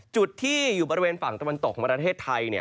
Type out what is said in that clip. จุดที่อยู่บริเวณฝั่งตะวันตกของประเทศไทย